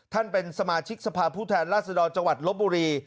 เป็นสมาชิกสภาพผู้แทนราชดรจังหวัดลบบุรี